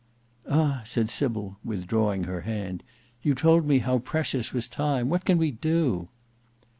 "Ah!" said Sybil, withdrawing her hand, "you told me how precious was time. What can we do?"